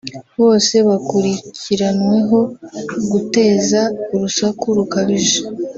bose bakurikiranweho guteza urusaku rukabije